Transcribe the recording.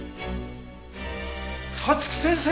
早月先生！？